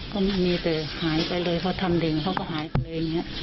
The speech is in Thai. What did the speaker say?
ก็ไม่มีแต่หายไปเลยเพราะทำเด็กเขาก็หายไปเลยนี้๒๓วัน